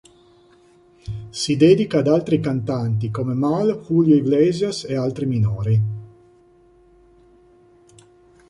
Si dedica ad altri cantanti come Mal, Julio Iglesias ed altri minori.